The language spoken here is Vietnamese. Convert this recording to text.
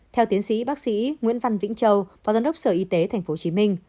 theo tiến sĩ bác sĩ nguyễn văn vĩnh châu phó giám đốc sở y tế tp hcm